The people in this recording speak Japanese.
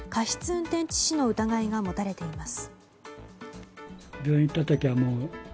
運転致死の疑いが持たれています。